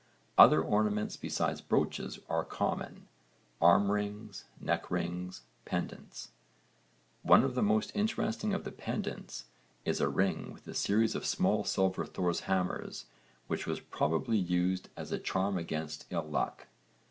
Other ornaments beside brooches are common arm rings, neck rings, pendants. One of the most interesting of the pendants is a ring with a series of small silver Thor's hammers which was probably used as a charm against ill luck.